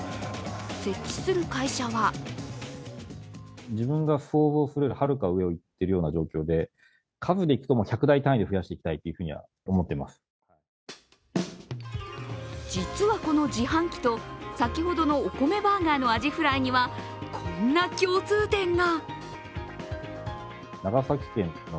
設置する会社は実はこの自販機と、先ほどのお米バーガーのアジフライにはこんな共通点が。